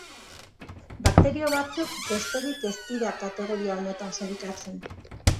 Bakterio batzuk besterik ez dira kategoria honetan sailkatzen.